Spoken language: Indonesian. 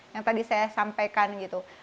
yang tadi saya sampaikan gitu